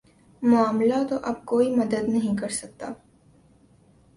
معاملہ تو اب کوئی مدد نہیں کر سکتا